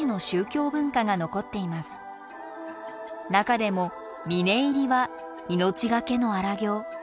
中でも峯入りは命がけの荒行。